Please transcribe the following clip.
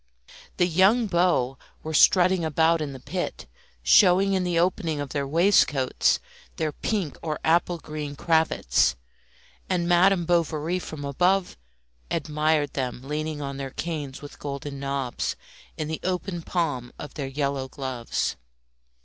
The young beaux were strutting about in the pit, showing in the opening of their waistcoats their pink or applegreen cravats, and Madame Bovary from above admired them leaning on their canes with golden knobs in the open palm of their yellow gloves.